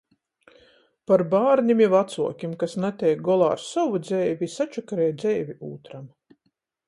Par bārnim i vacuokim, kas nateik golā ar sovu dzeivi i sačakarej dzeivi ūtram.